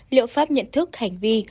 liệu pháp nhận thức hành vi